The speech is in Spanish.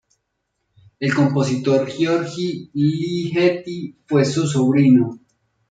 El compositor György Ligeti fue su sobrino.